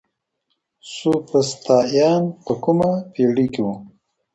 سوفسطائيان په کومه پېړۍ کي وو؟